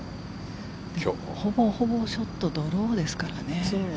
ほぼほぼショットドローですからね。